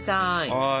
はい。